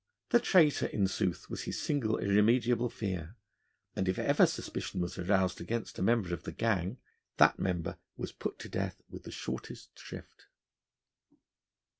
The traitor, in sooth, was his single, irremediable fear, and if ever suspicion was aroused against a member of the gang, that member was put to death with the shortest shrift.